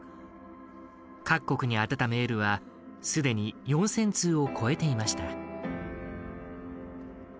各国に宛てたメールはすでに４０００通を超えていました。